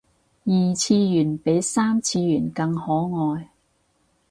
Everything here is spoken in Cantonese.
二次元比三次元更可愛